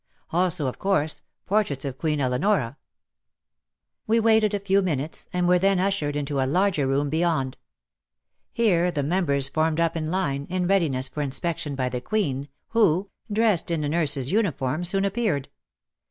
Also, of course, portraits of Queen Eleonora We waited a few minutes and were then ushered into a larger room beyond. Here the members formed up in line, in readiness ic inspection by the Queen, who, dressed ■ 64 WAR AND WOMEN nurses uniform, soon appeared.